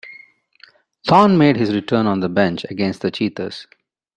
Thorne made his return on the bench against the Cheetahs.